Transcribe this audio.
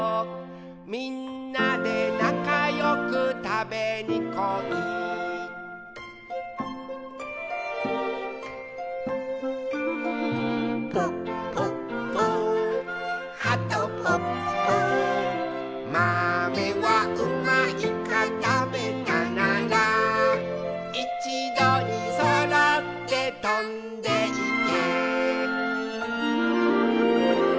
「みんなでなかよくたべにこい」「ぽっぽっぽはとぽっぽ」「まめはうまいかたべたなら」「いちどにそろってとんでいけ」